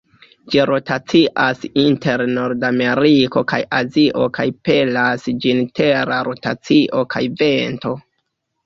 Ĝi rotacias inter Nord-Ameriko kaj Azio kaj pelas ĝin Tera rotacio kaj vento.